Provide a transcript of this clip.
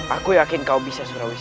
aku yakin kau bisa sulawesi